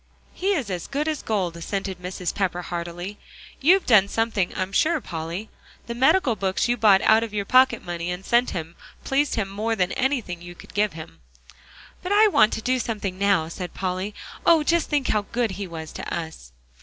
"He is as good as gold," assented Mrs. Pepper heartily. "You've done something, I'm sure, Polly. The medical books you bought out of your pocket money, and sent him, pleased him more than anything you could give him." "But I want to do something now," said Polly. "Oh! just think how good he was to us."